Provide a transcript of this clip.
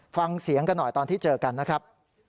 ฟังเสียงกันหน่อยตอนที่เจอกันนะครับ